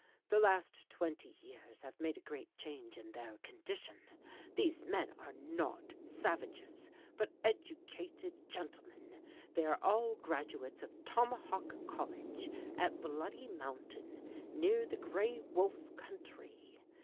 The last twenty years have made a great change in their condition. These men are not savages, but educated gentlemen. They are all graduates of Tomahawk College, at Bloody Mountain, near the Gray Wolf country.